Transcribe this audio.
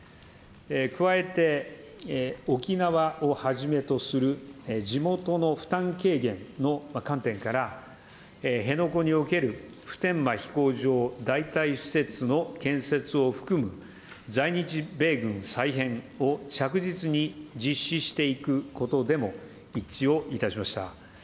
加えて、沖縄をはじめとする地元の負担軽減の観点から、辺野古における普天間飛行場代替施設の建設を含む在日米軍再編を着実に実施していくことでも一致をいたしました。